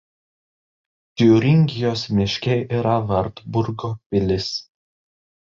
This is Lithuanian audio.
Tiuringijos miške yra Vartburgo pilis.